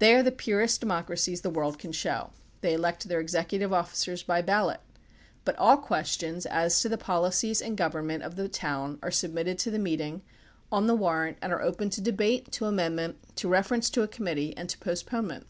They are the purest democracies the world can show. They elect their executive officers by ballot. But all questions as to the policies and government of the town are submitted to the meeting on the warrant and are open to debate, to amendment, to reference to a committee and to postponement.